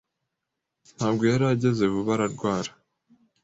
Ntabwo yari ageze vuba ararwara.